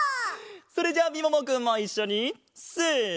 それじゃあみももくんもいっしょにせの！